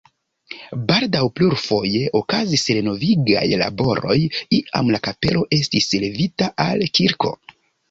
Baldaŭ plurfoje okazis renovigaj laboroj, iam la kapelo estis levita al kirko.